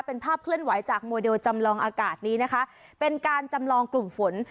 เป็นภาพเคลื่อนไหวจากโมเดลจำลองอากาศนี้นะคะเป็นการจำลองกลุ่มฝน